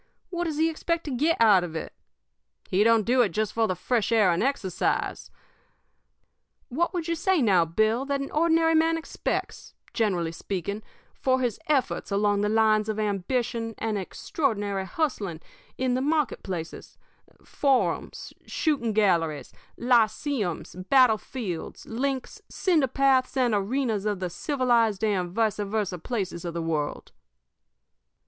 What does he expect to get out of it? He don't do it just for the fresh air and exercise. What would you say, now, Bill, that an ordinary man expects, generally speaking, for his efforts along the line of ambition and extraordinary hustling in the marketplaces, forums, shooting galleries, lyceums, battle fields, links, cinder paths, and arenas of the civilized and vice versa places of the world?"